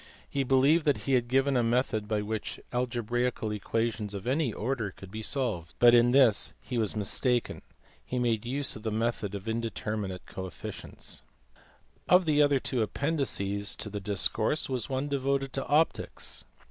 He believed that he had given a method by which algebraical equations of any order could be solved, but in this he was mis taken. He made use of the method of indeterminate coefficients. Of the two other appendices to the Discours one was devoted to optics.